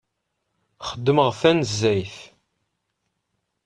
Xeddmeɣ tanezzayt.